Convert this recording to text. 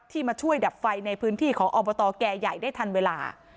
มาช่วยดับไฟในพื้นที่ของอบตแก่ใหญ่ได้ทันเวลา